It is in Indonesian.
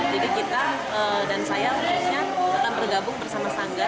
jadi kita dan saya khususnya akan bergabung bersama sanggar